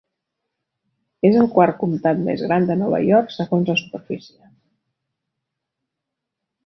És el quart comtat més gran de Nova York segons la superfície.